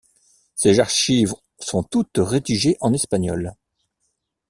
Ces archives sont toutes rédigées en espagnol.